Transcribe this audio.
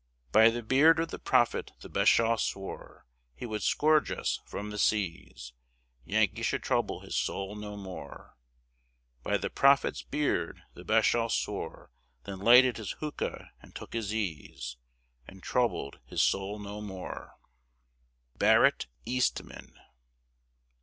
_By the beard of the Prophet the Bashaw swore He would scourge us from the seas; Yankees should trouble his soul no more By the Prophet's beard the Bashaw swore, Then lighted his hookah and took his ease, And troubled his soul no more._ BARRETT EASTMAN.